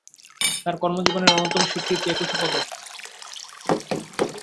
তার কর্মজীবনের অন্যতম স্বীকৃতি একুশে পদক।